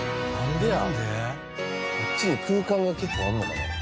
あっちに空間が結構あるのかな？